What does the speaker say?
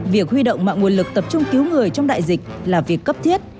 việc huy động mọi nguồn lực tập trung cứu người trong đại dịch là việc cấp thiết